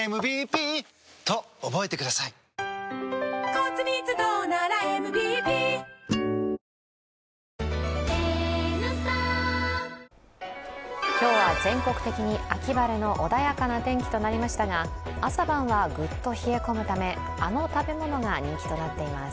香りに驚くアサヒの「颯」今日は全国的に秋晴れの穏やかな天気となりましたが朝晩はグッと冷え込むため、あの食べ物が人気となっています。